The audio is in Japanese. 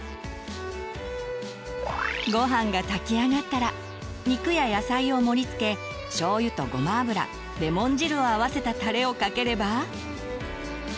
ご飯が炊き上がったら肉や野菜を盛りつけしょうゆとごま油レモン汁を合わせたタレをかければ。